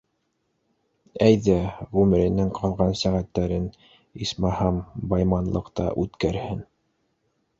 Әйҙә, ғүмеренең ҡалған сәғәттәрен, исмаһам, байманлыҡта үткәрһен.